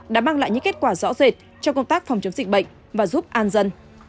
đã mang lại những kết quả rõ rệt trong công tác phòng chống dịch bệnh và giúp an dân